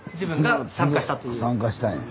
参加したんや。